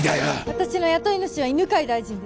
私の雇い主は犬飼大臣です。